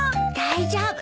大丈夫。